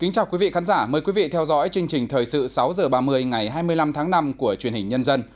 chào mừng quý vị đến với chương trình thời sự sáu h ba mươi ngày hai mươi năm tháng năm của truyền hình nhân dân